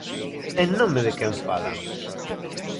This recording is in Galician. En nome de quen falan?